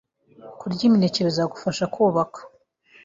Kurya imineke bizagufasha kubaka